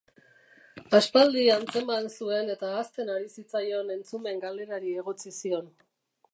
Aspaldi antzeman zuen eta hazten ari zitzaion entzumen galerari egotzi zion.